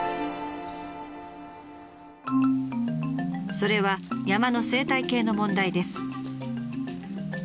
それは山の生態系の問題です。